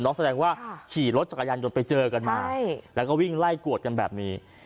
แสดงว่าขี่รถจักรยานยนต์ไปเจอกันมาแล้วก็วิ่งไล่กวดกันแบบนี้